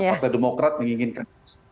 pasal demokrat menginginkan